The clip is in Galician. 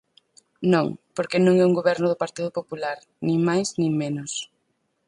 Non, porque non é un goberno do Partido Popular, nin máis nin menos.